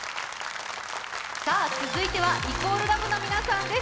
さあ続いては＝ＬＯＶＥの皆さんです。